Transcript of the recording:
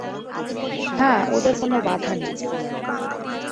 হাঁ, ওঁদের কোনো বাধা নেই।